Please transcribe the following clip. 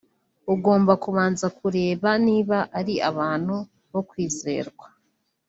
ugomba kubanza kureba niba ari abantu bo kwizerwa